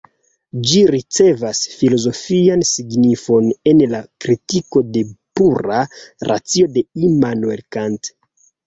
Ĝi ricevas filozofian signifon en la Kritiko de Pura Racio de Immanuel Kant.